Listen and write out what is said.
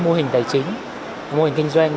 mô hình tài chính mô hình kinh doanh